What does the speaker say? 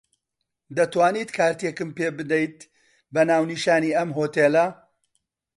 دەتوانیت کارتێکم پێ بدەیت بە ناونیشانی ئەم هۆتێلە.